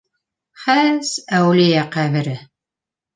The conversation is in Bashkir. Хәс әүлиә ҡәбере.